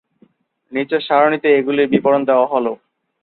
নিচের সারণিতে এগুলির বিবরণ দেয়া হল।